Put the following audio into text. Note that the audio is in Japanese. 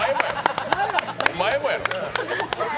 お前もや。